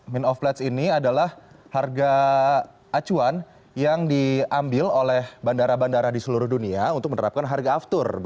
mean of plets ini adalah harga acuan yang diambil oleh bandara bandara di seluruh dunia untuk menerapkan harga aftur